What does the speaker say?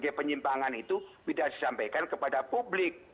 dia penyimpangan itu tidak disampaikan kepada publik